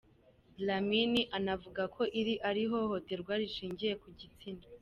Dlamini anavuga ko iri ari ihohoterwa rishingiye ku gitsina.